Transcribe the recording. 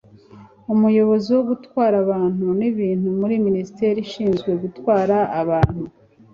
Umuyobozi wo Gutwara Abantu n Ibintu muri Minisiteri ishinzwe Gutwara Abantu